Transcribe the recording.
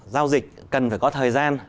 giao dịch cần phải có thời gian